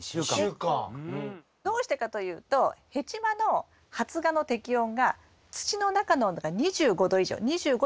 どうしてかというとヘチマの発芽の適温が土の中の温度が２５℃以上２５℃３０℃